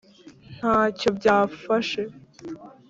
nta cyo byafashe?